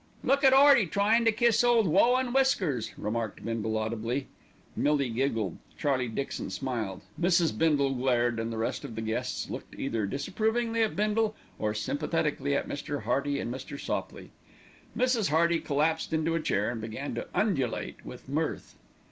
"Look at 'earty tryin' to kiss ole Woe and Whiskers," remarked Bindle audibly. Millie giggled, Charlie Dixon smiled, Mrs. Bindle glared, and the rest of the guests looked either disapprovingly at Bindle, or sympathetically at Mr. Hearty and Mr. Sopley. Mrs. Hearty collapsed into a chair and began to undulate with mirth.